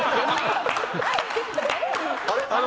あれ？